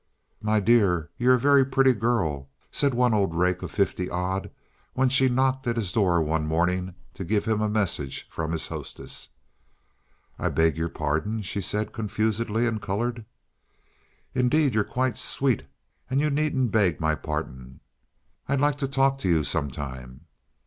"My dear, you're a very pretty girl," said one old rake of fifty odd when she knocked at his door one morning to give him a message from his hostess. "I beg your pardon," she said, confusedly, and colored. "Indeed, you're quite sweet. And you needn't beg my pardon. I'd like to talk to you some time."